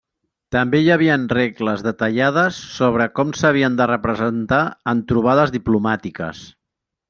També hi havien regles detallades sobre com s'havien de representar en trobades diplomàtiques.